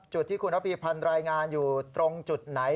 จุดที่คุณระภีพันธ์รายงานอยู่ตรงจุดไหน